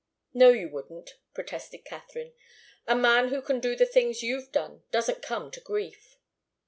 "No, you wouldn't," protested Katharine. "A man who can do the things you've done doesn't come to grief."